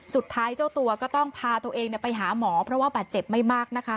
เจ้าตัวก็ต้องพาตัวเองไปหาหมอเพราะว่าบาดเจ็บไม่มากนะคะ